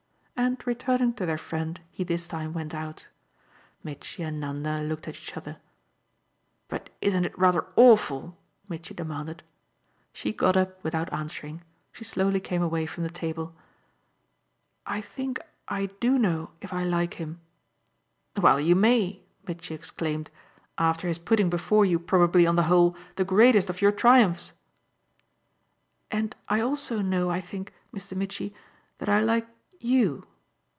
and, returning to their friend, he this time went out. Mitchy and Nanda looked at each other. "But isn't it rather awful?" Mitchy demanded. She got up without answering; she slowly came away from the table. "I think I do know if I like him." "Well you may," Mitchy exclaimed, "after his putting before you probably, on the whole, the greatest of your triumphs." "And I also know, I think, Mr. Mitchy, that I like YOU."